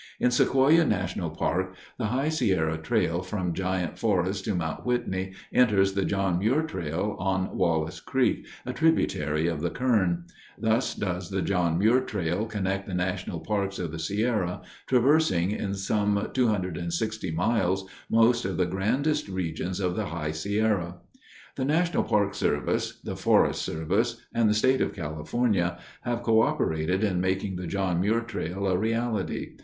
In Sequoia National Park, the High Sierra Trail from Giant Forest to Mount Whitney enters the John Muir Trail on Wallace Creek, a tributary of the Kern. Thus does the John Muir Trail connect the national parks of the Sierra, traversing in some 260 miles most of the grandest regions of the High Sierra. The National Park Service, the Forest Service, and the State of California have coöperated in making the John Muir Trail a reality.